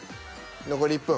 残り１分。